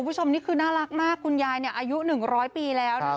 ผู้ชมนี้คือน่ารักมากคุณยายอายุหนึ่งร้อยปีแล้ว